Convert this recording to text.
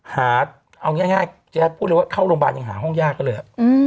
หาเอาง่ายแจ๊ดพูดเลยว่าเข้าโรงพยาบาลยังหาห้องยากก็เลย